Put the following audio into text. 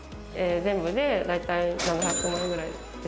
全部で大体７００万円くらい。